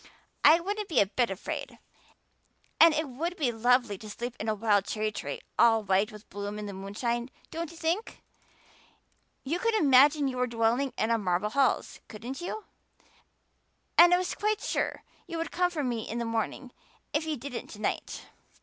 I wouldn't be a bit afraid, and it would be lovely to sleep in a wild cherry tree all white with bloom in the moonshine, don't you think? You could imagine you were dwelling in marble halls, couldn't you? And I was quite sure you would come for me in the morning, if you didn't to night."